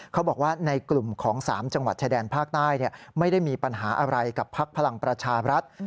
เขาบอกว่าในกลุ่มของ๓จังหวัดชายแดนภาคใต้ไม่ได้มีปัญหาอะไรกับพักพลังประชาบรัฐ